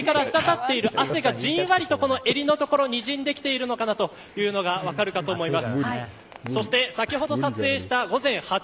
首から滴っている汗がじんわりと襟のところにじんできているのかなというのが分かると思います。